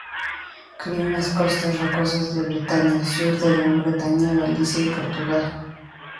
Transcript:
Cría en las costas rocosas de Bretaña, sur de Gran Bretaña, Galicia y Portugal.